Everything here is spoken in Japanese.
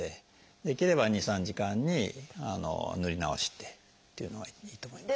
できれば２３時間に塗り直してっていうのがいいと思います。